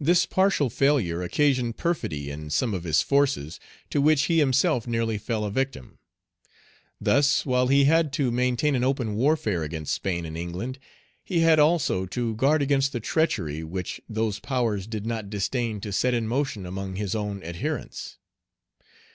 This partial failure occasioned perfidy in some of his forces, to which he himself nearly fell a victim. Thus, while he had to maintain an open warfare against Spain and England, he had also to guard against the treachery which those powers did not disdain to set in motion among his own adherents.